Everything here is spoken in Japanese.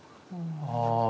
ああ。